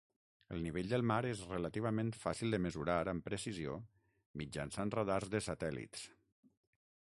El Nivell del mar és relativament fàcil de mesurar amb precisió mitjançant radars de satèl·lits.